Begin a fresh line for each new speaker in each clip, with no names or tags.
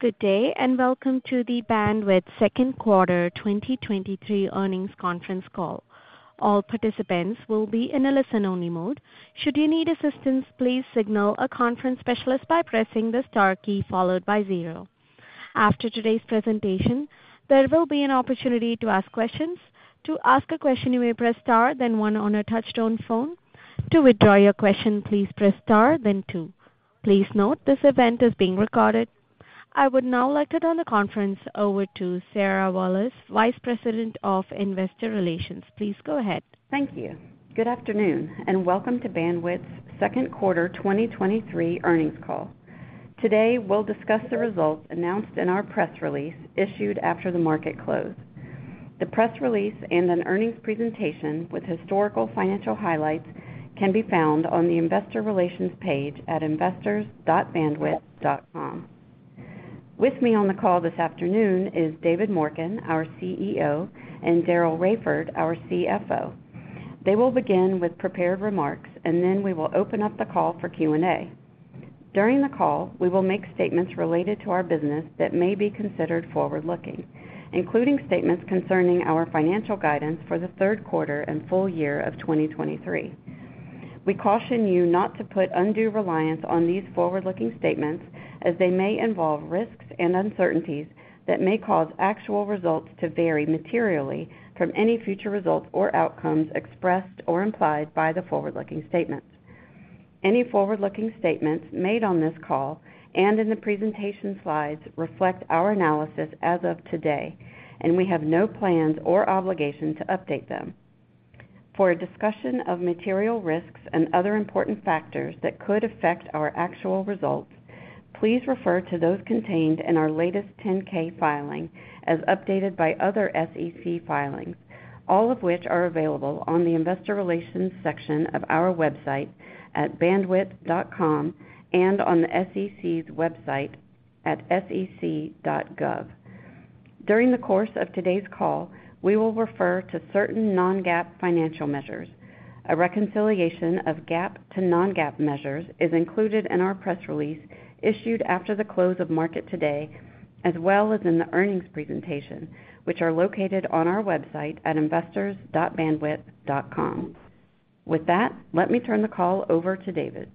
Good day, welcome to the Bandwidth second quarter 2023 earnings conference call. All participants will be in a listen-only mode. Should you need assistance, please signal a conference specialist by pressing the star key followed by zero. After today's presentation, there will be an opportunity to ask questions. To ask a question, you may press star then one on a touch-tone phone. To withdraw your question, please press star then two. Please note, this event is being recorded. I would now like to turn the conference over to Sarah Walas, Vice President of Investor Relations. Please go ahead.
Thank you. Good afternoon, and welcome to Bandwidth's second quarter 2023 earnings call. Today, we'll discuss the results announced in our press release issued after the market closed. The press release and an earnings presentation with historical financial highlights can be found on the Investor Relations page at investors.bandwidth.com. With me on the call this afternoon is David Morken, our CEO, and Daryl Raiford, our CFO. They will begin with prepared remarks, and then we will open up the call for Q&A. During the call, we will make statements related to our business that may be considered forward-looking, including statements concerning our financial guidance for the 3rd quarter and full-year of 2023. We caution you not to put undue reliance on these forward-looking statements as they may involve risks and uncertainties that may cause actual results to vary materially from any future results or outcomes expressed or implied by the forward-looking statements. Any forward-looking statements made on this call and in the presentation slides reflect our analysis as of today, and we have no plans or obligation to update them. For a discussion of material risks and other important factors that could affect our actual results, please refer to those contained in our latest 10-K filing as updated by other SEC filings, all of which are available on the Investor Relations section of our website at bandwidth.com and on the SEC's website at sec.gov. During the course of today's call, we will refer to certain non-GAAP financial measures. A reconciliation of GAAP to non-GAAP measures is included in our press release issued after the close of market today, as well as in the earnings presentation, which are located on our website at investors.bandwidth.com. With that, let me turn the call over to David.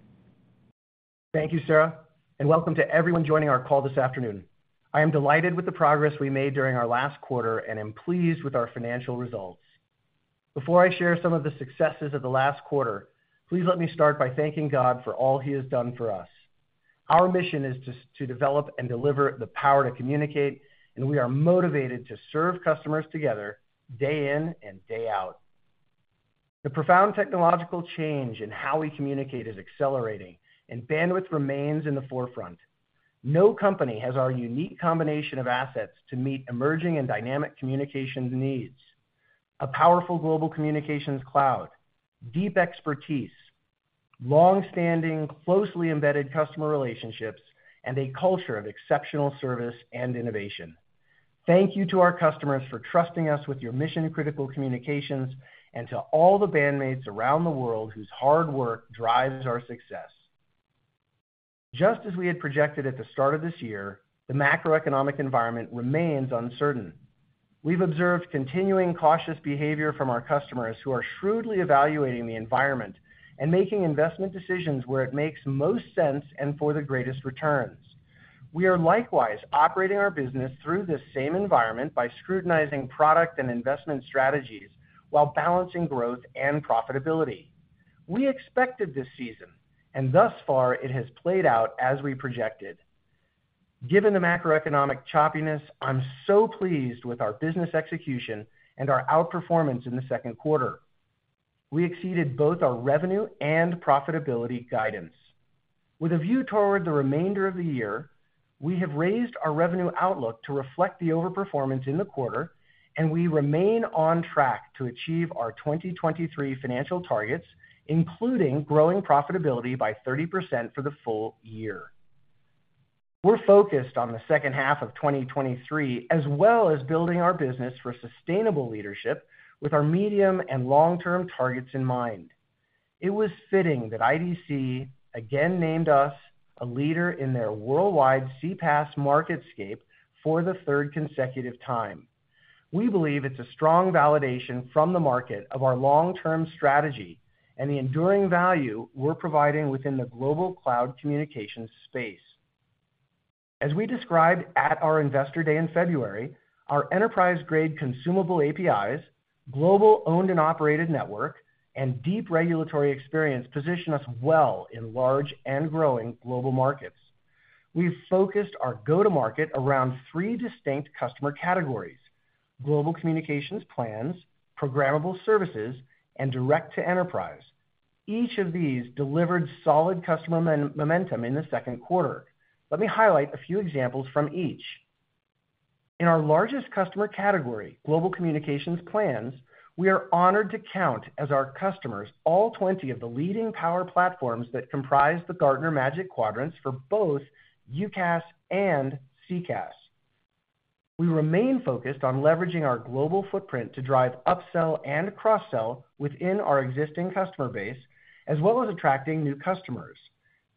Thank you, Sarah. Welcome to everyone joining our call this afternoon. I am delighted with the progress we made during our last quarter and am pleased with our financial results. Before I share some of the successes of the last quarter, please let me start by thanking God for all he has done for us. Our mission is to develop and deliver the power to communicate. We are motivated to serve customers together day in and day out. The profound technological change in how we communicate is accelerating. Bandwidth remains in the forefront. No company has our unique combination of assets to meet emerging and dynamic communications needs. A powerful global communications cloud, deep expertise, long-standing, closely embedded customer relationships, and a culture of exceptional service and innovation. Thank you to our customers for trusting us with your mission-critical communications and to all the bandmates around the world whose hard work drives our success. Just as we had projected at the start of this year, the macroeconomic environment remains uncertain. We've observed continuing cautious behavior from our customers, who are shrewdly evaluating the environment and making investment decisions where it makes most sense and for the greatest returns. We are likewise operating our business through this same environment by scrutinizing product and investment strategies while balancing growth and profitability. We expected this season, thus far, it has played out as we projected. Given the macroeconomic choppiness, I'm so pleased with our business execution and our outperformance in the second quarter. We exceeded both our revenue and profitability guidance. With a view toward the remainder of the year, we have raised our revenue outlook to reflect the overperformance in the quarter, we remain on track to achieve our 2023 financial targets, including growing profitability by 30% for the full-year. We're focused on the second half of 2023, as well as building our business for sustainable leadership with our medium and long-term targets in mind. It was fitting that IDC again named us a leader in their worldwide CPaaS MarketScape for the third consecutive time. We believe it's a strong validation from the market of our long-term strategy and the enduring value we're providing within the global cloud communications space. As we described at our Investor Day in February, our enterprise-grade consumable APIs, global owned and operated network, and deep regulatory experience position us well in large and growing global markets. We've focused our go-to-market around three distinct customer categories: global communications plans, programmable services, and direct to enterprise. Each of these delivered solid customer momentum in the second quarter. Let me highlight a few examples from each. In our largest customer category, global communications plans, we are honored to count as our customers, all 20 of the leading power platforms that comprise the Gartner Magic Quadrants for both UCaaS and CCaaS.... We remain focused on leveraging our global footprint to drive upsell and cross-sell within our existing customer base, as well as attracting new customers.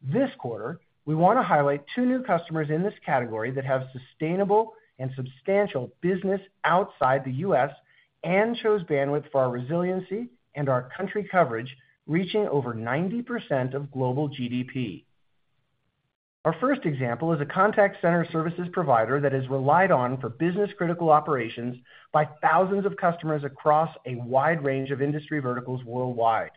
This quarter, we want to highlight two new customers in this category that have sustainable and substantial business outside the U.S. and chose Bandwidth for our resiliency and our country coverage, reaching over 90% of global GDP. Our first example is a contact center services provider that is relied on for business-critical operations by thousands of customers across a wide range of industry verticals worldwide.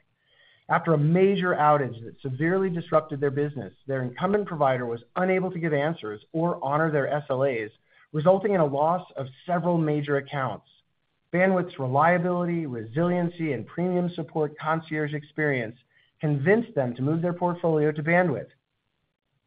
After a major outage that severely disrupted their business, their incumbent provider was unable to give answers or honor their SLAs, resulting in a loss of several major accounts. Bandwidth's reliability, resiliency, and premium support concierge experience convinced them to move their portfolio to Bandwidth.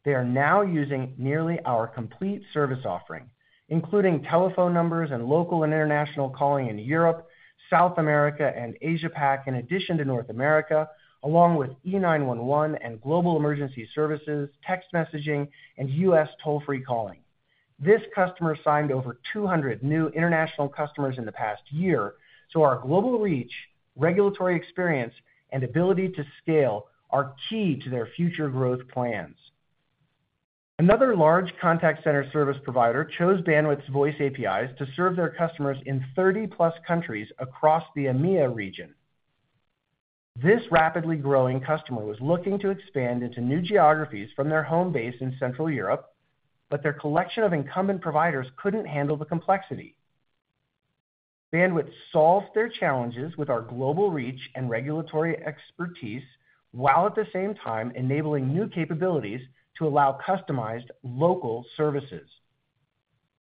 They are now using nearly our complete service offering, including telephone numbers and local and international calling in Europe, South America, and Asia-Pac, in addition to North America, along with E911 and global emergency services, text messaging, and U.S. toll-free calling. This customer signed over 200 new international customers in the past year, our global reach, regulatory experience, and ability to scale are key to their future growth plans. Another large contact center service provider chose Bandwidth's voice APIs to serve their customers in 30+ countries across the EMEA region. This rapidly growing customer was looking to expand into new geographies from their home base in Central Europe, but their collection of incumbent providers couldn't handle the complexity. Bandwidth solves their challenges with our global reach and regulatory expertise, while at the same time enabling new capabilities to allow customized local services.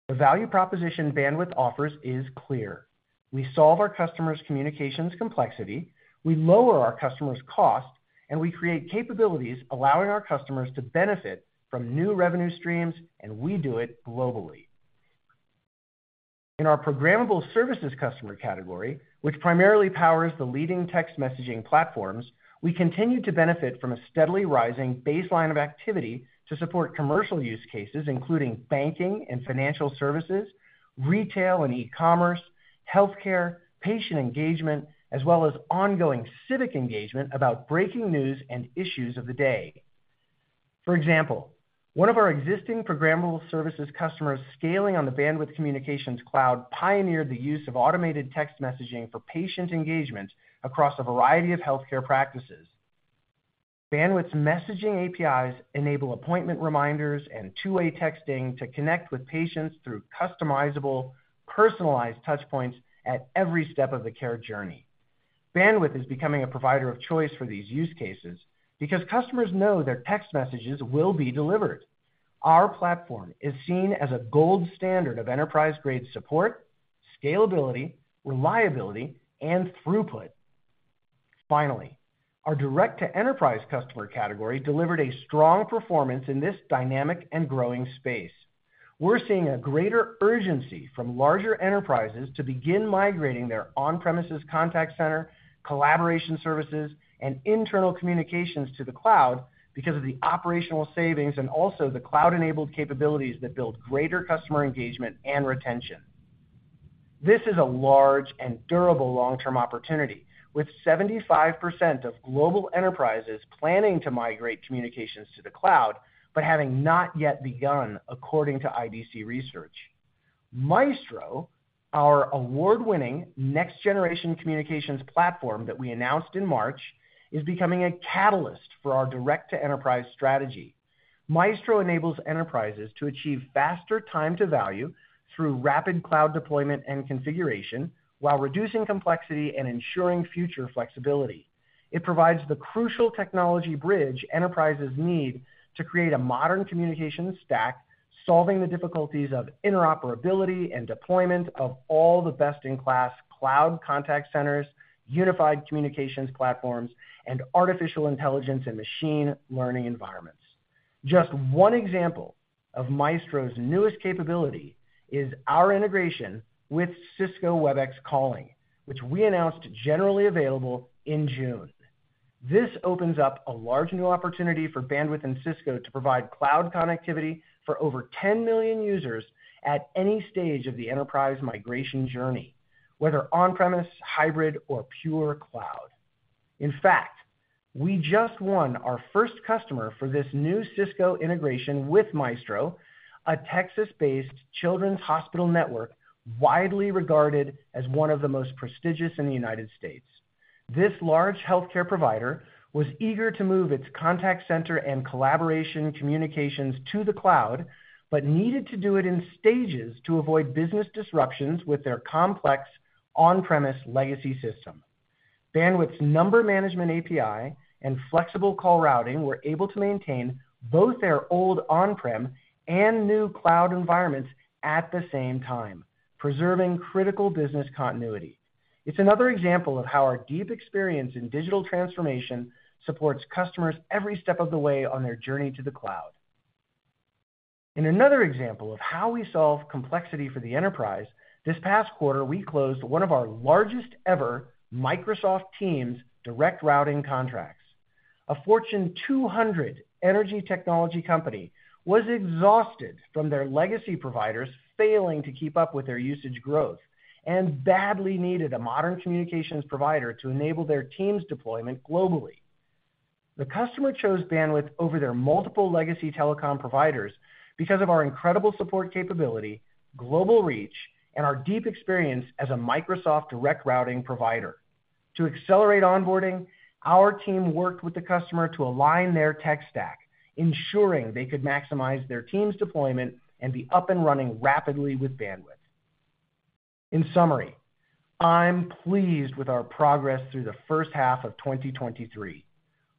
The value proposition Bandwidth offers is clear. We solve our customers' communications complexity, we lower our customers' costs, and we create capabilities allowing our customers to benefit from new revenue streams, and we do it globally. In our programmable services customer category, which primarily powers the leading text messaging platforms, we continue to benefit from a steadily rising baseline of activity to support commercial use cases, including banking and financial services, retail and e-commerce, healthcare, patient engagement, as well as ongoing civic engagement about breaking news and issues of the day. For example, one of our existing programmable services customers scaling on the Bandwidth Communications Cloud pioneered the use of automated text messaging for patient engagement across a variety of healthcare practices. Bandwidth's messaging APIs enable appointment reminders and two-way texting to connect with patients through customizable, personalized touchpoints at every step of the care journey. Bandwidth is becoming a provider of choice for these use cases because customers know their text messages will be delivered. Our platform is seen as a gold standard of enterprise-grade support, scalability, reliability, and throughput. Finally, our direct to enterprise customer category delivered a strong performance in this dynamic and growing space. We're seeing a greater urgency from larger enterprises to begin migrating their on-premises contact center, collaboration services, and internal communications to the cloud because of the operational savings and also the cloud-enabled capabilities that build greater customer engagement and retention. This is a large and durable long-term opportunity, with 75% of global enterprises planning to migrate communications to the cloud, but having not yet begun, according to IDC research. Maestro, our award-winning next-generation communications platform that we announced in March, is becoming a catalyst for our direct to enterprise strategy. Maestro enables enterprises to achieve faster time to value through rapid cloud deployment and configuration, while reducing complexity and ensuring future flexibility. It provides the crucial technology bridge enterprises need to create a modern communications stack, solving the difficulties of interoperability and deployment of all the best-in-class cloud contact centers, unified communications platforms, and artificial intelligence and machine learning environments. Just one example of Maestro's newest capability is our integration with Cisco Webex Calling, which we announced generally available in June. This opens up a large new opportunity for Bandwidth and Cisco to provide cloud connectivity for over 10 million users at any stage of the enterprise migration journey, whether on-premise, hybrid, or pure cloud. In fact, we just won our first customer for this new Cisco integration with Maestro, a Texas-based children's hospital network, widely regarded as one of the most prestigious in the United States. This large healthcare provider was eager to move its contact center and collaboration communications to the cloud, needed to do it in stages to avoid business disruptions with their complex on-premise legacy system. Bandwidth's Number Management API and flexible call routing were able to maintain both their old on-prem and new cloud environments at the same time, preserving critical business continuity. It's another example of how our deep experience in digital transformation supports customers every step of the way on their journey to the cloud. In another example of how we solve complexity for the enterprise, this past quarter, we closed one of our largest-ever Microsoft Teams Direct Routing contracts. A Fortune 200 energy technology company was exhausted from their legacy providers failing to keep up with their usage growth and badly needed a modern communications provider to enable their Teams deployment globally. The customer chose Bandwidth over their multiple legacy telecom providers because of our incredible support capability, global reach, and our deep experience as a Microsoft Direct Routing provider. To accelerate onboarding, our team worked with the customer to align their tech stack, ensuring they could maximize their Teams deployment and be up and running rapidly with Bandwidth. In summary, I'm pleased with our progress through the first half of 2023.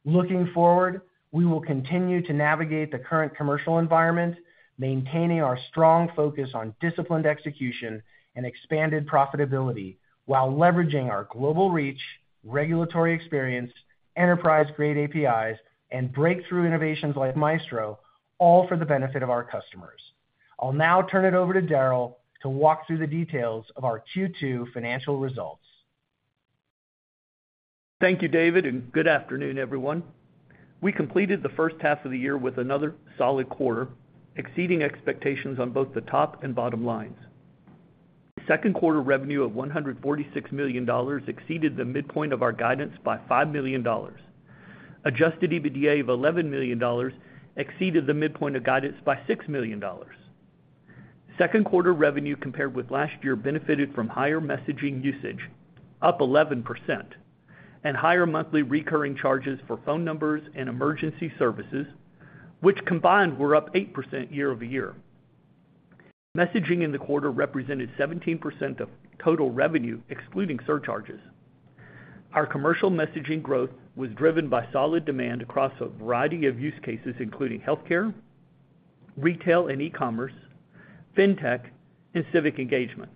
Looking forward, we will continue to navigate the current commercial environment, maintaining our strong focus on disciplined execution and expanded profitability, while leveraging our global reach, regulatory experience, enterprise-grade APIs, and breakthrough innovations like Maestro, all for the benefit of our customers. I'll now turn it over to Daryl to walk through the details of our Q2 financial results.
Thank you, David, and good afternoon, everyone. We completed the first half of the year with another solid quarter, exceeding expectations on both the top and bottom lines. Second quarter revenue of $146 million exceeded the midpoint of our guidance by $5 million. Adjusted EBITDA of $11 million exceeded the midpoint of guidance by $6 million. Second quarter revenue, compared with last year, benefited from higher messaging usage, up 11%, and higher monthly recurring charges for phone numbers and emergency services, which combined were up 8% year-over-year. Messaging in the quarter represented 17% of total revenue, excluding surcharges. Our commercial messaging growth was driven by solid demand across a variety of use cases, including healthcare, retail and e-commerce, fintech, and civic engagement.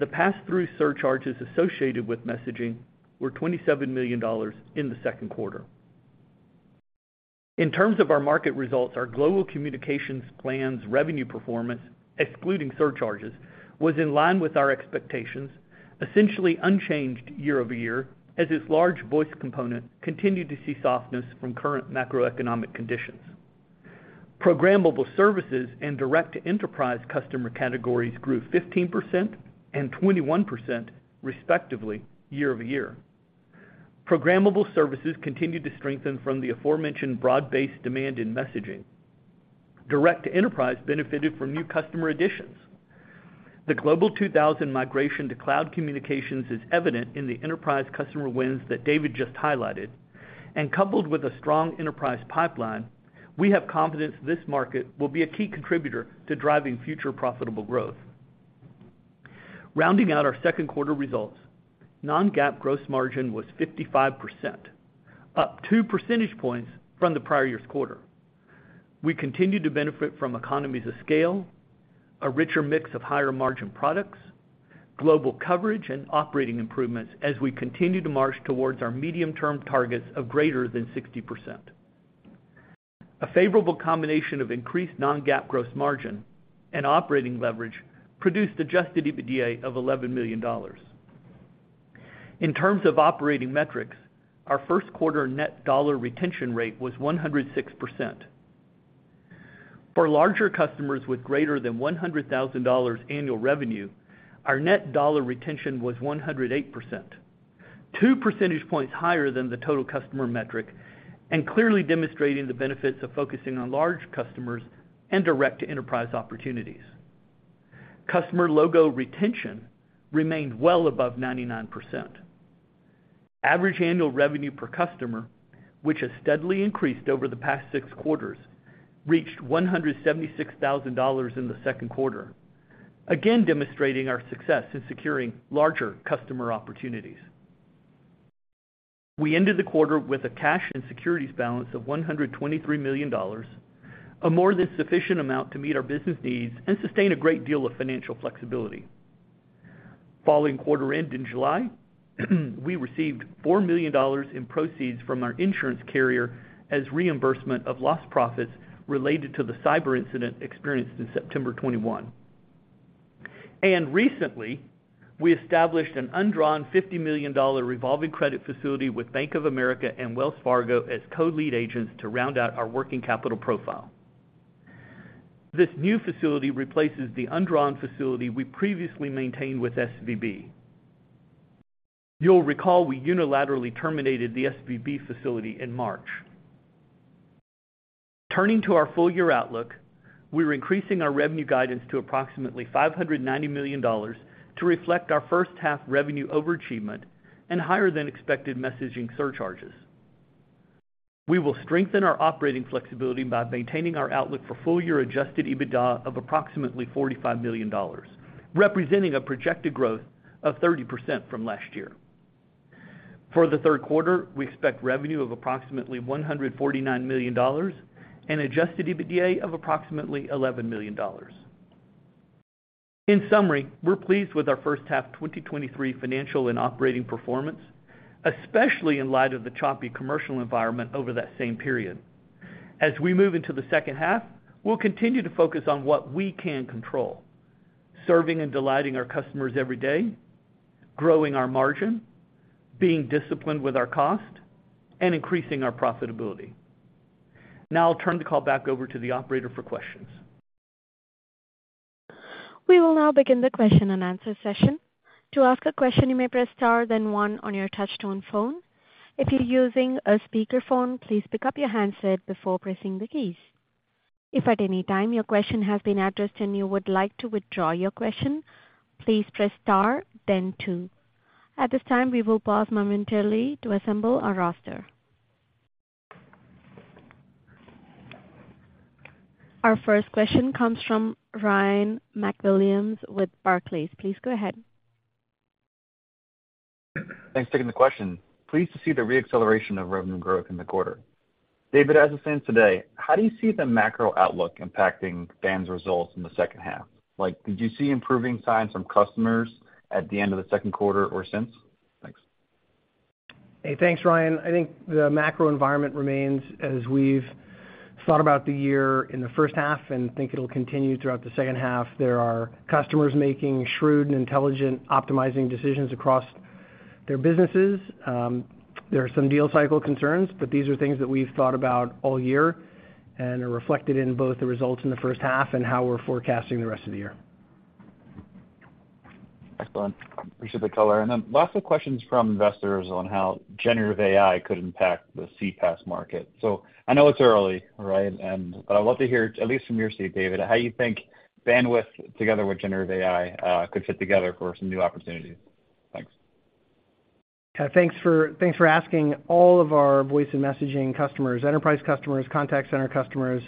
The passthrough surcharges associated with messaging were $27 million in the second quarter. In terms of our market results, our global communications plans revenue performance, excluding surcharges, was in line with our expectations, essentially unchanged year-over-year, as its large voice component continued to see softness from current macroeconomic conditions. Programmable services and direct to enterprise customer categories grew 15% and 21%, respectively, year-over-year. Programmable services continued to strengthen from the aforementioned broad-based demand in messaging. Direct to enterprise benefited from new customer additions. The Global 2000 migration to cloud communications is evident in the enterprise customer wins that David just highlighted, and coupled with a strong enterprise pipeline, we have confidence this market will be a key contributor to driving future profitable growth. Rounding out our 2Q results, non-GAAP gross margin was 55%, up 2 percentage points from the prior year's quarter. We continued to benefit from economies of scale, a richer mix of higher-margin products, global coverage, and operating improvements as we continue to march towards our medium-term targets of greater than 60%. A favorable combination of increased non-GAAP gross margin and operating leverage produced adjusted EBITDA of $11 million. In terms of operating metrics, our first quarter net dollar retention rate was 106%. For larger customers with greater than $100,000 annual revenue, our net dollar retention was 108%, 2 percentage points higher than the total customer metric, and clearly demonstrating the benefits of focusing on large customers and direct-to-enterprise opportunities. Customer logo retention remained well above 99%. Average annual revenue per customer, which has steadily increased over the past six quarters, reached $176,000 in the second quarter, again demonstrating our success in securing larger customer opportunities. We ended the quarter with a cash and securities balance of $123 million, a more than sufficient amount to meet our business needs and sustain a great deal of financial flexibility. Following quarter-end in July, we received $4 million in proceeds from our insurance carrier as reimbursement of lost profits related to the cyber incident experienced in September 2021. Recently, we established an undrawn $50 million revolving credit facility with Bank of America and Wells Fargo as co-lead agents to round out our working capital profile. This new facility replaces the undrawn facility we previously maintained with SVB. You'll recall we unilaterally terminated the SVB facility in March. Turning to our full-year outlook, we're increasing our revenue guidance to approximately $590 million to reflect our first half revenue overachievement and higher than expected messaging surcharges. We will strengthen our operating flexibility by maintaining our outlook for full-year adjusted EBITDA of approximately $45 million, representing a projected growth of 30% from last year. For the third quarter, we expect revenue of approximately $149 million and adjusted EBITDA of approximately $11 million. In summary, we're pleased with our first half 2023 financial and operating performance, especially in light of the choppy commercial environment over that same period. As we move into the second half, we'll continue to focus on what we can control, serving and delighting our customers every day growing our margin, being disciplined with our cost, and increasing our profitability. Now I'll turn the call back over to the operator for questions.
We will now begin the question-and-answer session. To ask a question, you may press star, then one on your touch-tone phone. If you're using a speakerphone, please pick up your handset before pressing the keys. If at any time your question has been addressed and you would like to withdraw your question, please press star, then two. At this time, we will pause momentarily to assemble our roster. Our first question comes from Ryan MacWilliams with Barclays. Please go ahead.
Thanks for taking the question. Pleased to see the re-acceleration of revenue growth in the quarter. David, as it stands today, how do you see the macro outlook impacting Bandwidth's results in the second half? Like, did you see improving signs from customers at the end of the second quarter or since? Thanks.
Hey, thanks, Ryan. I think the macro environment remains as we've thought about the year in the first half and think it'll continue throughout the second half. There are customers making shrewd and intelligent, optimizing decisions across their businesses. There are some deal cycle concerns, but these are things that we've thought about all year and are reflected in both the results in the first half and how we're forecasting the rest of the year.
Excellent. Appreciate the color. Then lots of questions from investors on how generative AI could impact the CPaaS market. I know it's early, right? I'd love to hear, at least from your seat, David, how you think Bandwidth together with generative AI, could fit together for some new opportunities. Thanks.
Thanks for, thanks for asking. All of our voice and messaging customers, enterprise customers, contact center customers,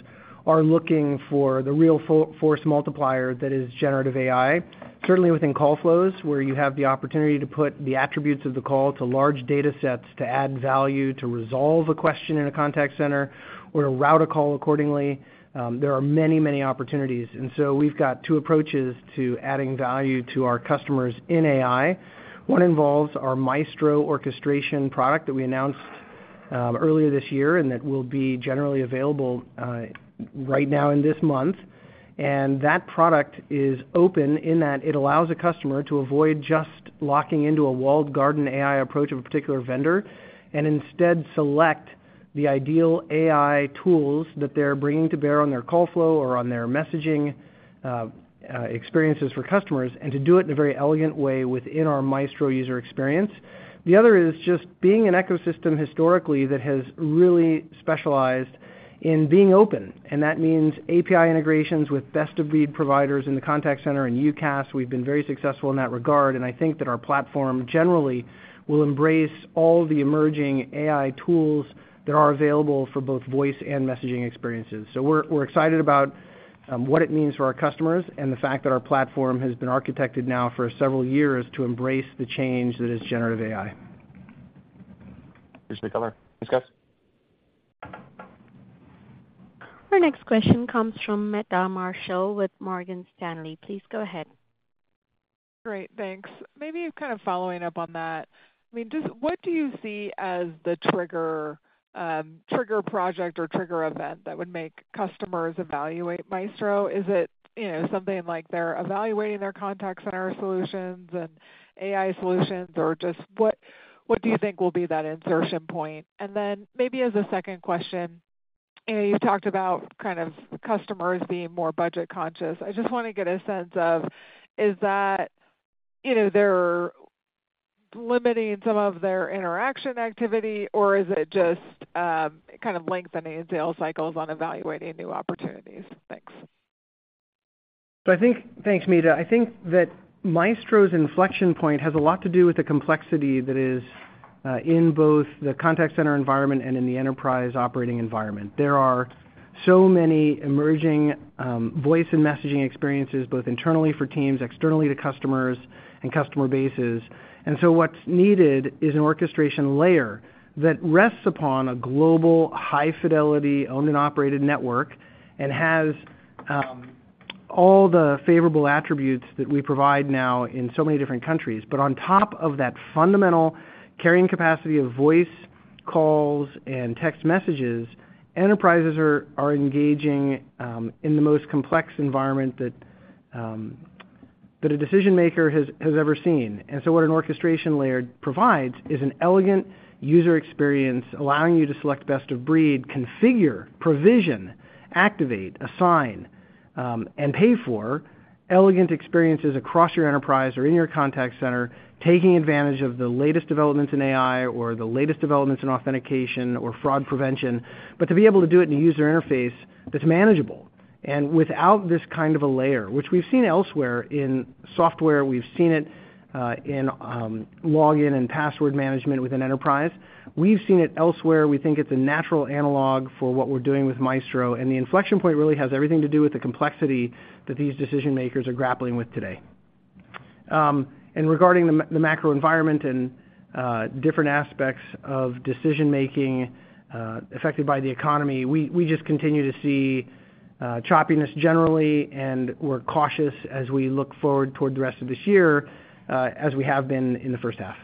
are looking for the real force multiplier that is generative AI. Certainly within call flows, where you have the opportunity to put the attributes of the call to large data sets, to add value, to resolve a question in a contact center or to route a call accordingly, there are many, many opportunities. And so we've got two approaches to adding value to our customers in AI. One involves our Maestro orchestration product that we announced earlier this year, and that will be generally available right now in this month. That product is open in that it allows a customer to avoid just locking into a walled garden AI approach of a particular vendor, and instead select the ideal AI tools that they're bringing to bear on their call flow or on their messaging experiences for customers, and to do it in a very elegant way within our Maestro user experience. The other is just being an ecosystem historically, that has really specialized in being open, and that means API integrations with best-of-breed providers in the contact center and UCaaS. We've been very successful in that regard, and I think that our platform generally will embrace all the emerging AI tools that are available for both voice and messaging experiences. We're, we're excited about what it means for our customers and the fact that our platform has been architected now for several years to embrace the change that is generative AI.
Appreciate the color. Thanks, guys.
Our next question comes from Meta Marshall with Morgan Stanley. Please go ahead.
Great, thanks. Maybe kind of following up on that. I mean, What do you see as the trigger, trigger project or trigger event that would make customers evaluate Maestro? Is it, you know, something like they're evaluating their contact center solutions and AI solutions, or just what, what do you think will be that insertion point? Then maybe as a second question, you know, you've talked about kind of customers being more budget-conscious. I just want to get a sense of, is that, you know, they're limiting some of their interaction activity, or is it just, kind of lengthening sales cycles on evaluating new opportunities? Thanks.
I think... Thanks, Meta. I think that Maestro's inflection point has a lot to do with the complexity that is in both the contact center environment and in the enterprise operating environment. There are so many emerging voice and messaging experiences, both internally for teams, externally to customers and customer bases. What's needed is an orchestration layer that rests upon a global, high-fidelity, owned and operated network, and has all the favorable attributes that we provide now in so many different countries. On top of that fundamental carrying capacity of voice, calls, and text messages, enterprises are, are engaging in the most complex environment that that a decision-maker has, has ever seen. What an orchestration layer provides is an elegant user experience, allowing you to select best of breed, configure, provision, activate, assign, and pay for elegant experiences across your enterprise or in your contact center, taking advantage of the latest developments in AI or the latest developments in authentication or fraud prevention. To be able to do it in a user interface that's manageable and without this kind of a layer, which we've seen elsewhere in software, we've seen it in login and password management within enterprise. We've seen it elsewhere. We think it's a natural analog for what we're doing with Maestro. The inflection point really has everything to do with the complexity that these decision-makers are grappling with today. Regarding the macro environment and different aspects of decision-making, affected by the economy, we just continue to see choppiness generally, and we're cautious as we look forward toward the rest of this year, as we have been in the first half.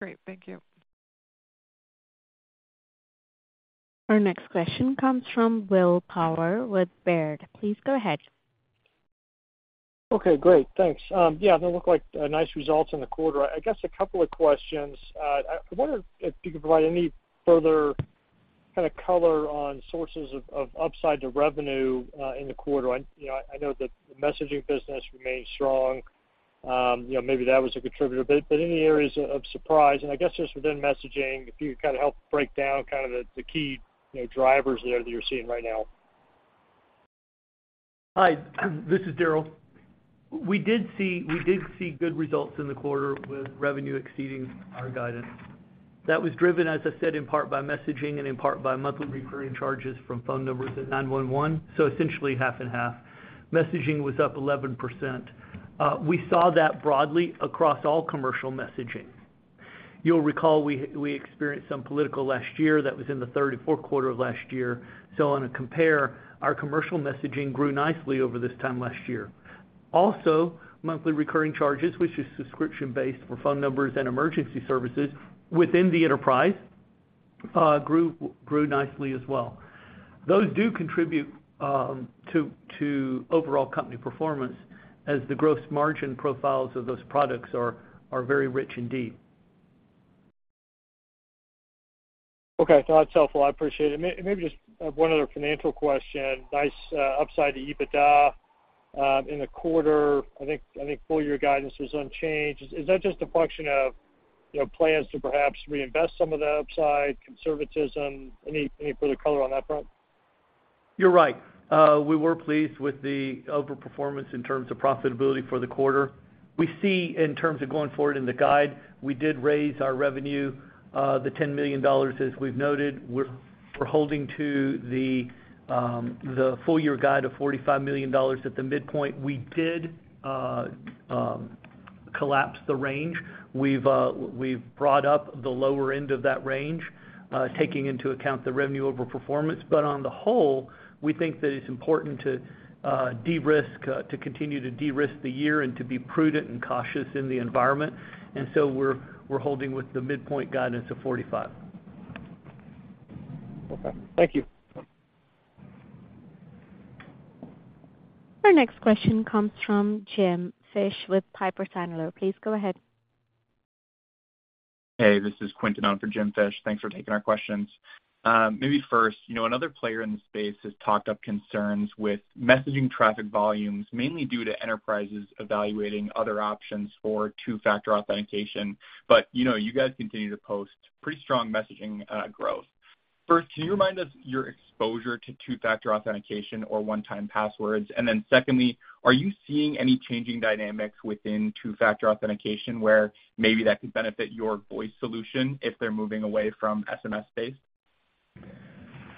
Great. Thank you.
Our next question comes from Will Power with Baird. Please go ahead.
Okay, great. Thanks. Yeah, they look like nice results in the quarter. I guess two questions. I wonder if you could provide any further kind of color on sources of upside to revenue in the quarter. I, you know, I know that the messaging business remains strong, you know, maybe that was a contributor, but any areas of surprise, and I guess just within messaging, if you could kind of help break down kind of the key, you know, drivers there that you're seeing right now.
Hi, this is Daryl. We did see good results in the quarter with revenue exceeding our guidance. That was driven, as I said, in part by messaging and in part by monthly recurring charges from phone numbers and 911, so essentially 50/50. Messaging was up 11%. We saw that broadly across all commercial messaging. You'll recall, we experienced some political last year that was in the 3rd and 4th quarter of last year. On a compare, our commercial messaging grew nicely over this time last year. Monthly recurring charges, which is subscription-based for phone numbers and emergency services within the enterprise, grew nicely as well. Those do contribute to overall company performance as the gross margin profiles of those products are very rich indeed.
Okay. So that's helpful. I appreciate it. Maybe just one other financial question. Nice upside to EBITDA in the quarter. I think, I think full-year guidance was unchanged. Is that just a function of, you know, plans to perhaps reinvest some of the upside, conservatism? Any further color on that front?
You're right. We were pleased with the overperformance in terms of profitability for the quarter. We see, in terms of going forward in the guide, we did raise our revenue, the $10 million, as we've noted. We're, we're holding to the full-year guide of $45 million at the midpoint. We did collapse the range. We've, we've brought up the lower end of that range, taking into account the revenue overperformance. On the whole, we think that it's important to de-risk, to continue to de-risk the year and to be prudent and cautious in the environment. We're, we're holding with the midpoint guidance of $45 million.
Okay. Thank you.
Our next question comes from Jim Fish with Piper Sandler. Please go ahead.
Hey, this is Quentin on for Jim Fish. Thanks for taking our questions. Maybe first, you know, another player in the space has talked up concerns with messaging traffic volumes, mainly due to enterprises evaluating other options for two-factor authentication. You know, you guys continue to post pretty strong messaging growth. First, can you remind us your exposure to two-factor authentication or one-time passwords? Then secondly, are you seeing any changing dynamics within two-factor authentication, where maybe that could benefit your voice solution if they're moving away from SMS-based?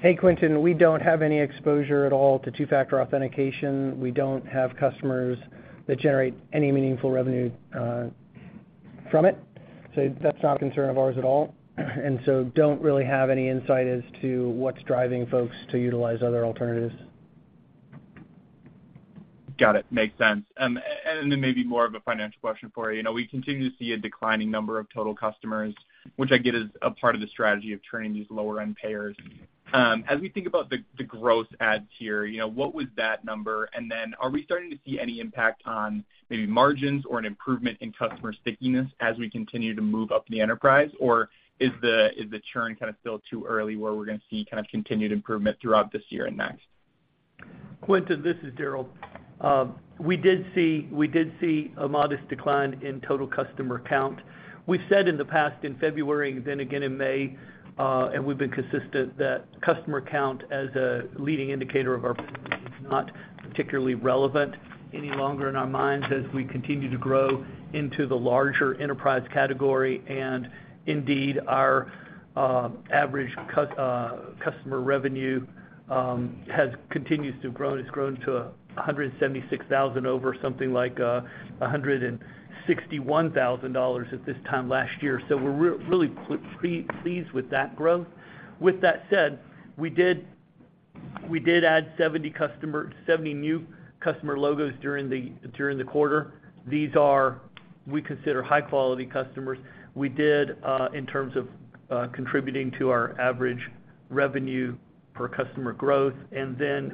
Hey, Quentin, we don't have any exposure at all to two-factor authentication. We don't have customers that generate any meaningful revenue from it. That's not a concern of ours at all. Don't really have any insight as to what's driving folks to utilize other alternatives.
Got it. Makes sense. Then maybe more of a financial question for you. You know, we continue to see a declining number of total customers, which I get is a part of the strategy of turning these lower-end payers. As we think about the growth adds here, you know, what was that number? Then are we starting to see any impact on maybe margins or an improvement in customer stickiness as we continue to move up the enterprise? Is the churn kind of still too early, where we're gonna see kind of continued improvement throughout this year and next?
Quentin, this is Daryl. We did see, we did see a modest decline in total customer count. We've said in the past, in February and then again in May, and we've been consistent, that customer count as a leading indicator of our is not particularly relevant any longer in our minds, as we continue to grow into the larger enterprise category. Indeed, our average customer revenue has continues to grow, and it's grown to $176,000 over something like $161,000 at this time last year. We're pleased with that growth. With that said, we did, we did add 70 new customer logos during the quarter. These are, we consider, high-quality customers. We did, in terms of contributing to our average revenue per customer growth, and then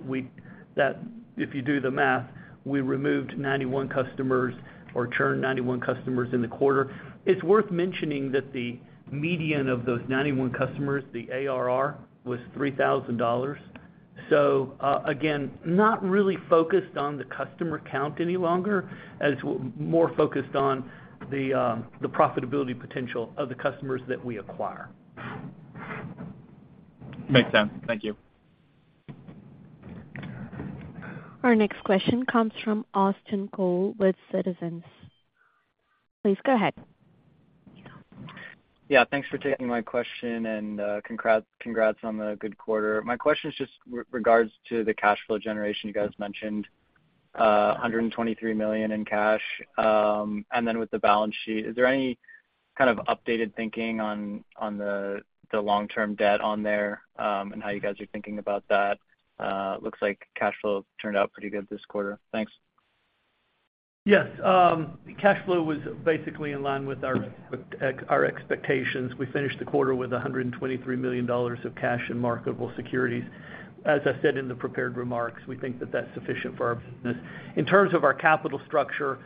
that, if you do the math, we removed 91 customers or churned 91 customers in the quarter. It's worth mentioning that the median of those 91 customers, the ARR, was $3,000. Again, not really focused on the customer count any longer, as more focused on the profitability potential of the customers that we acquire.
Makes sense. Thank you.
Our next question comes from Austin Cole with Citizens. Please go ahead.
Thanks for taking my question, and congrats, congrats on the good quarter. My question is just regards to the cash flow generation. You guys mentioned $123 million in cash, and then with the balance sheet, is there any kind of updated thinking on the long-term debt on there, and how you guys are thinking about that? It looks like cash flow turned out pretty good this quarter. Thanks.
Yes, cash flow was basically in line with our expectations. We finished the quarter with $123 million of cash and marketable securities. As I said in the prepared remarks, we think that that's sufficient for our business. In terms of our capital structure,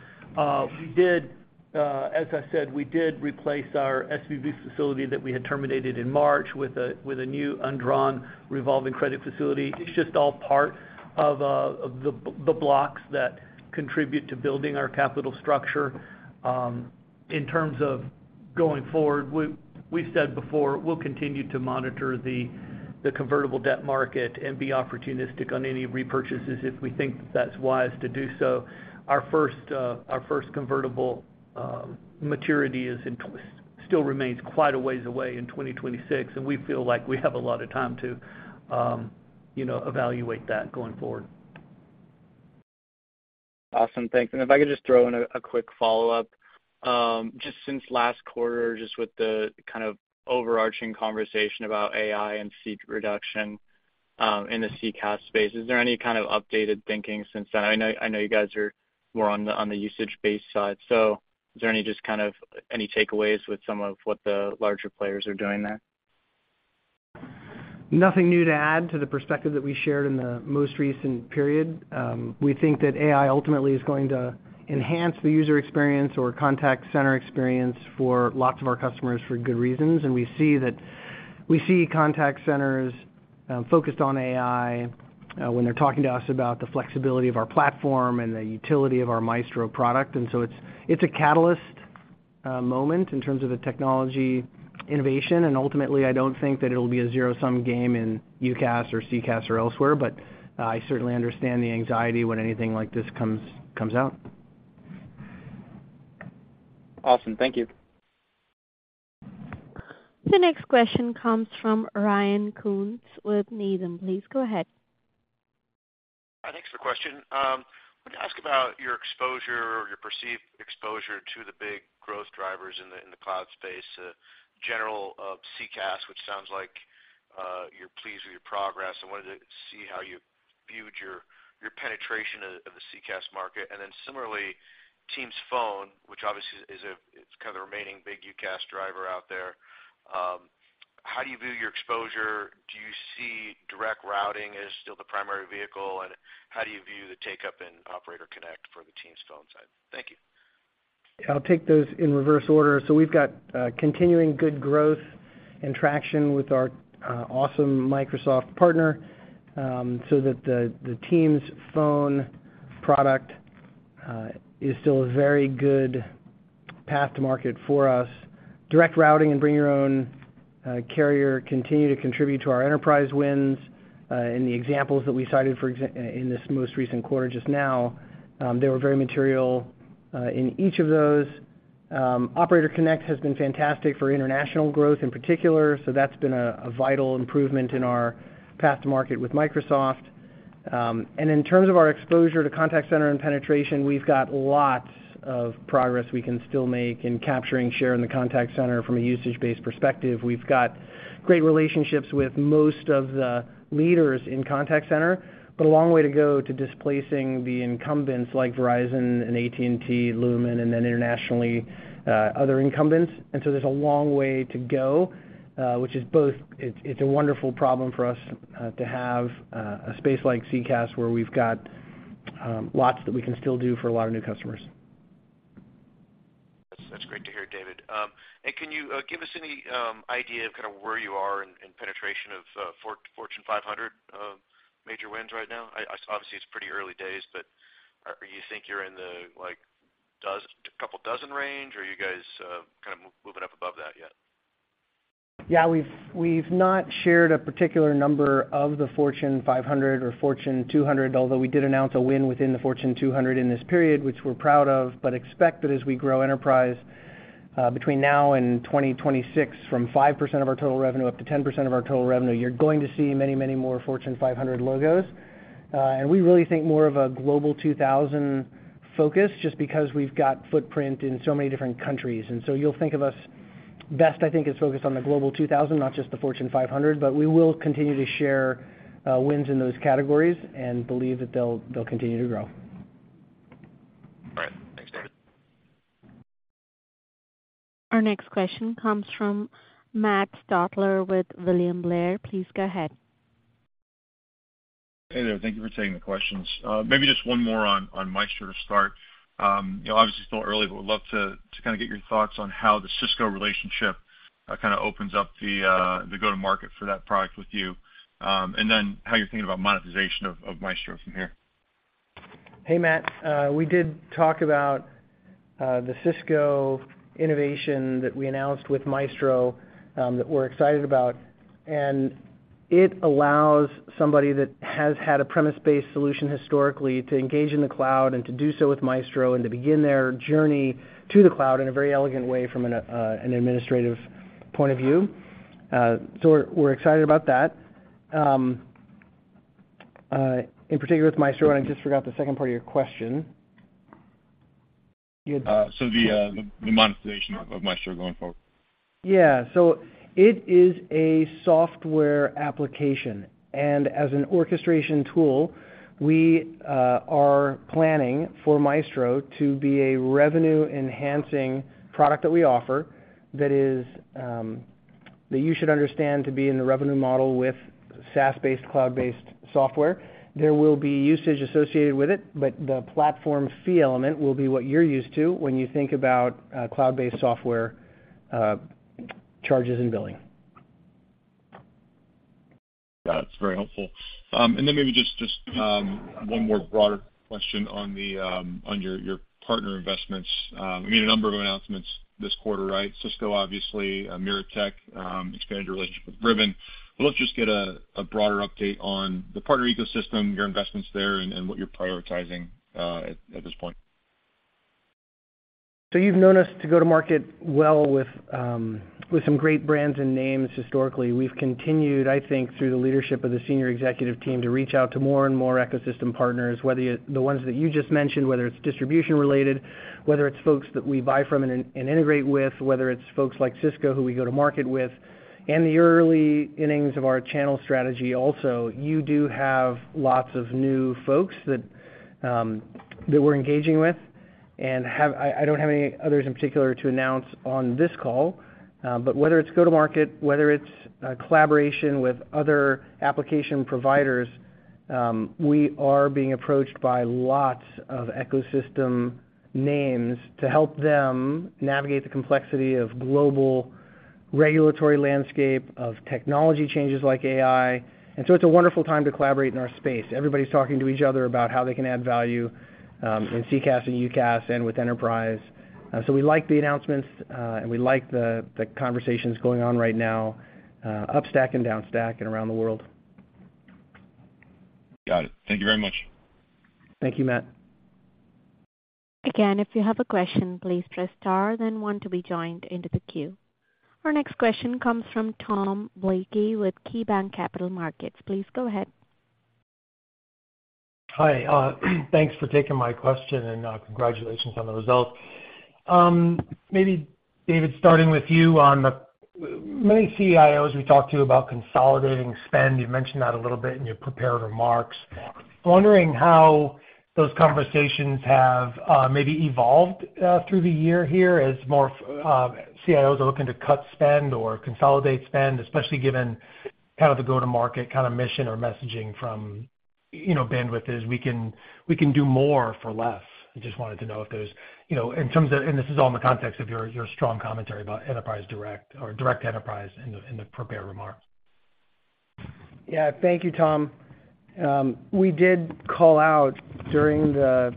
we did, as I said, we did replace our SVB facility that we had terminated in March with a new undrawn revolving credit facility. It's just all part of the blocks that contribute to building our capital structure. In terms of going forward, we've said before, we'll continue to monitor the convertible debt market and be opportunistic on any repurchases if we think that's wise to do so. Our first, our first convertible maturity still remains quite a ways away in 2026, and we feel like we have a lot of time to, you know, evaluate that going forward.
Awesome. Thanks. If I could just throw in a, a quick follow-up. Just since last quarter, just with the kind of overarching conversation about AI and seat reduction, in the CCaaS space, is there any kind of updated thinking since then? I know, I know you guys are more on the, on the usage-based side. Is there any just kind of any takeaways with some of what the larger players are doing there?
Nothing new to add to the perspective that we shared in the most recent period. We think that AI ultimately is going to enhance the user experience or contact center experience for lots of our customers for good reasons. We see that, we see contact centers focused on AI when they're talking to us about the flexibility of our platform and the utility of our Maestro product. So it's, it's a catalyst moment in terms of the technology innovation, and ultimately, I don't think that it'll be a zero-sum game in UCaaS or CCaaS or elsewhere, but I certainly understand the anxiety when anything like this comes, comes out.
Awesome. Thank you.
The next question comes from Ryan Koontz with Needham. Please go ahead.
Hi, thanks for the question. Wanted to ask about your exposure or your perceived exposure to the big growth drivers in the cloud space, general of CCaaS, which sounds like you're pleased with your progress. I wanted to see how you viewed your penetration of the CCaaS market. Similarly, Teams Phone, which obviously is a it's kind of the remaining big UCaaS driver out there. How do you view your exposure? Do you see Direct Routing as still the primary vehicle, and how do you view the take-up in Operator Connect for the Teams Phone side? Thank you.
I'll take those in reverse order. We've got continuing good growth and traction with our awesome Microsoft partner, the Teams Phone product is still a very good path to market for us. Direct Routing and Bring Your Own Carrier continue to contribute to our enterprise wins. The examples that we cited, in this most recent quarter just now, they were very material in each of those. Operator Connect has been fantastic for international growth in particular, so that's been a vital improvement in our path to market with Microsoft. In terms of our exposure to contact center and penetration, we've got lots of progress we can still make in capturing share in the contact center from a usage-based perspective. We've got great relationships with most of the leaders in contact center, but a long way to go to displacing the incumbents like Verizon and AT&T, Lumen, and then internationally, other incumbents. There's a long way to go. It's a wonderful problem for us to have a space like CCaaS, where we've got lots that we can still do for a lot of new customers.
That's, that's great to hear, David. Can you give us any idea of kind of where you are in penetration of Fortune 500 major wins right now? I, I... Obviously, it's pretty early days, but are, you think you're in the, like, couple dozen range, or are you guys kind of moving up above that yet?
Yeah, we've not shared a particular number of the Fortune 500 or Fortune 200, although we did announce a win within the Fortune 200 in this period, which we're proud of. Expect that as we grow enterprise between now and 2026, from 5% of our total revenue up to 10% of our total revenue, you're going to see many, many more Fortune 500 logos. We really think more of a Global 2000 focus, just because we've got footprint in so many different countries. You'll think of us best, I think, is focused on the Global 2000, not just the Fortune 500. We will continue to share wins in those categories and believe that they'll continue to grow.
All right. Thanks, David.
Our next question comes from Matt Stotler with William Blair. Please go ahead.
Hey there. Thank you for taking the questions. Maybe just one more on, on Maestro to start. You know, obviously, still early, but would love to, to kind of get your thoughts on how the Cisco relationship, kind of opens up the, the go-to-market for that product with you, and then how you're thinking about monetization of, of Maestro from here.
Hey, Matt. We did talk about the Cisco innovation that we announced with Maestro, that we're excited about. It allows somebody that has had a premise-based solution historically to engage in the cloud and to do so with Maestro and to begin their journey to the cloud in a very elegant way from an administrative point of view. We're, we're excited about that. In particular with Maestro. I just forgot the second part of your question....
The monetization of Maestro going forward?
Yeah. It is a software application, and as an orchestration tool, we are planning for Maestro to be a revenue-enhancing product that we offer that is that you should understand to be in the revenue model with SaaS-based, cloud-based software. There will be usage associated with it, but the platform fee element will be what you're used to when you think about cloud-based software charges and billing.
Yeah, that's very helpful. Then maybe just, just one more broader question on your, your partner investments. You made a number of announcements this quarter, right? Cisco, obviously, Miratech, expanded your relationship with Ribbon. Let's just get a, a broader update on the partner ecosystem, your investments there, and, and what you're prioritizing at, at this point.
You've known us to go to market well with some great brands and names historically. We've continued, I think, through the leadership of the senior executive team, to reach out to more and more ecosystem partners, whether the ones that you just mentioned, whether it's distribution-related, whether it's folks that we buy from and integrate with, whether it's folks like Cisco, who we go to market with, and the early innings of our channel strategy also. You do have lots of new folks that we're engaging with, and I, I don't have any others in particular to announce on this call, but whether it's go-to-market, whether it's a collaboration with other application providers, we are being approached by lots of ecosystem names to help them navigate the complexity of global regulatory landscape, of technology changes like AI. It's a wonderful time to collaborate in our space. Everybody's talking to each other about how they can add value in CCaaS and UCaaS and with enterprise. We like the announcements, and we like the, the conversations going on right now, upstack and downstack and around the world.
Got it. Thank you very much.
Thank you, Matt.
Again, if you have a question, please press star, then one to be joined into the queue. Our next question comes from Tom Blakey with KeyBanc Capital Markets. Please go ahead.
Hi, thanks for taking my question, and congratulations on the results. Maybe David, starting with you on the- many CIOs we talked to about consolidating spend, you mentioned that a little bit in your prepared remarks. I'm wondering how those conversations have maybe evolved through the year here as more CIOs are looking to cut spend or consolidate spend, especially given kind of the go-to-market kind of mission or messaging from, you know, Bandwidth, is we can, we can do more for less. I just wanted to know if there's, you know, in terms of... And this is all in the context of your, your strong commentary about enterprise direct or direct enterprise in the, in the prepared remarks.
Yeah. Thank you, Tom. We did call out during the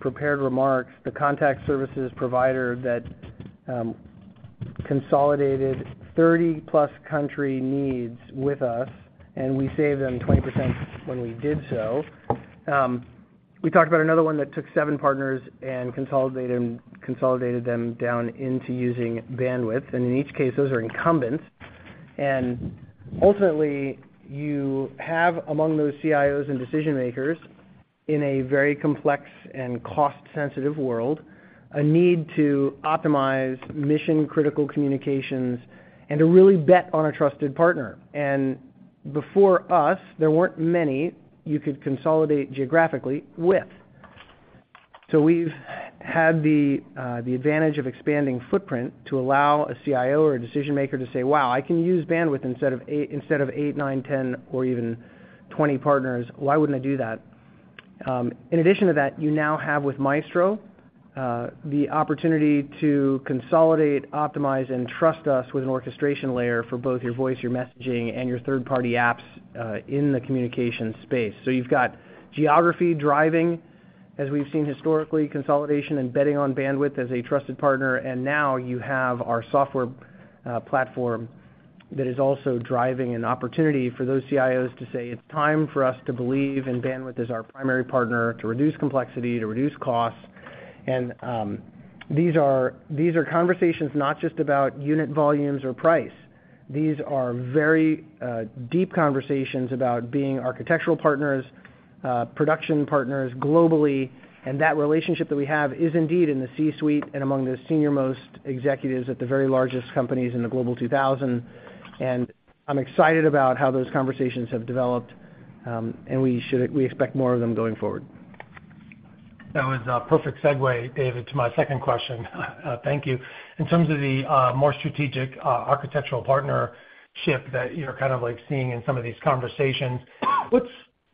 prepared remarks, the contact services provider that consolidated 30+ country needs with us, and we saved them 20% when we did so. We talked about another one that took seven partners and consolidated them down into using Bandwidth, and in each case, those are incumbents. Ultimately, you have among those CIOs and decision-makers, in a very complex and cost-sensitive world, a need to optimize mission-critical communications and to really bet on a trusted partner. Before us, there weren't many you could consolidate geographically with. We've had the advantage of expanding footprint to allow a CIO or a decision maker to say: "Wow, I can use Bandwidth instead of eight, nine, 10, or even 20 partners. Why wouldn't I do that?" In addition to that, you now have, with Maestro, the opportunity to consolidate, optimize, and trust us with an orchestration layer for both your voice, your messaging, and your third-party apps in the communication space. You've got geography driving, as we've seen historically, consolidation and betting on Bandwidth as a trusted partner, and now you have our software platform that is also driving an opportunity for those CIOs to say: "It's time for us to believe in Bandwidth as our primary partner, to reduce complexity, to reduce costs." These are, these are conversations not just about unit volumes or price. These are very deep conversations about being architectural partners, production partners globally. That relationship that we have is indeed in the C-suite and among the senior-most executives at the very largest companies in the Global 2000. I'm excited about how those conversations have developed, and we expect more of them going forward.
That was a perfect segue, David, to my second question. Thank you. In terms of the more strategic architectural partnership that you're kind of, like, seeing in some of these conversations, what's...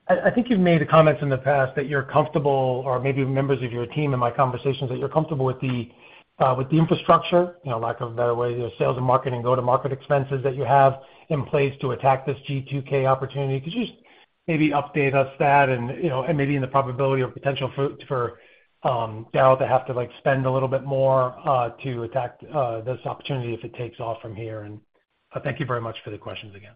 I think you've made the comments in the past that you're comfortable, or maybe members of your team, in my conversations, that you're comfortable with the infrastructure, you know, lack of a better way, the sales and marketing, go-to-market expenses that you have in place to attack this G2K opportunity. Could you just maybe update us that and, you know, and maybe in the probability or potential for Dell to have to, like, spend a little bit more to attack this opportunity if it takes off from here? Thank you very much for the questions again.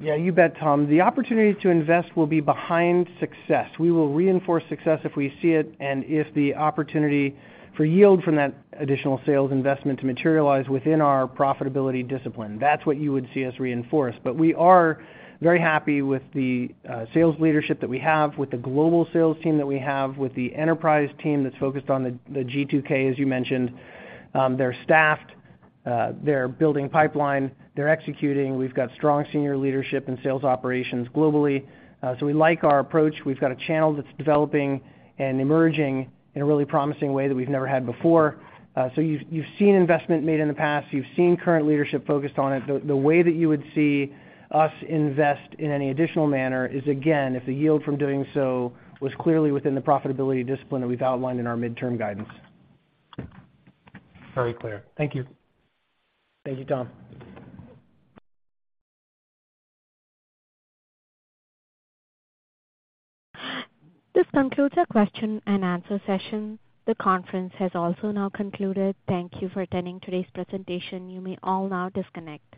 Yeah, you bet, Tom. The opportunity to invest will be behind success. We will reinforce success if we see it, if the opportunity for yield from that additional sales investment to materialize within our profitability discipline, that's what you would see us reinforce. We are very happy with the sales leadership that we have, with the global sales team that we have, with the enterprise team that's focused on the G2K, as you mentioned. They're staffed, they're building pipeline, they're executing. We've got strong senior leadership and sales operations globally, we like our approach. We've got a channel that's developing and emerging in a really promising way that we've never had before. You've, you've seen investment made in the past. You've seen current leadership focused on it. The way that you would see us invest in any additional manner is, again, if the yield from doing so was clearly within the profitability discipline that we've outlined in our midterm guidance.
Very clear. Thank you.
Thank you, Tom.
This concludes our question and answer session. The conference has also now concluded. Thank you for attending today's presentation. You may all now disconnect.